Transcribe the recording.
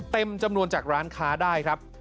เต็มจำนวนจากร้านค้าได้ครับ